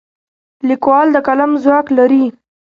لیکوال د قلم ځواک لري.